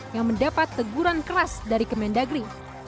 yang mendapat teguran keras dari kementerian dalam negeri